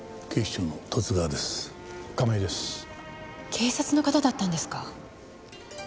警察の方だったんですか。